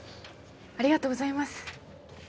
ありがとうございます。